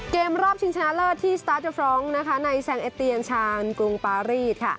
รอบชิงชนะเลิศที่สตาร์ทเดอร์ฟรองก์ในแซงเอเตียนชาญกรุงปารีส